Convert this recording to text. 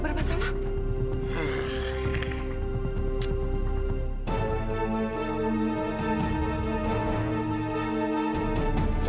lu coba pelihara bayi